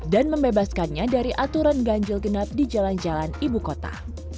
dan membebaskannya dari aturan ganjil genap di jalan jalan ibu kota